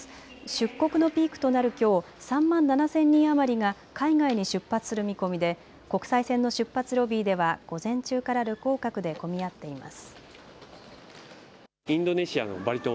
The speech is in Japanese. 出国のピークとなるきょう３万７０００人余りが海外に出発する見込みで国際線の出発ロビーでは午前中から旅行客で混み合っています。